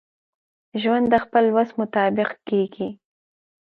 ژوند دخپل وس مطابق کیږي.